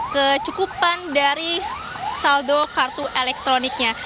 kecukupan dari saldo kartu elektroniknya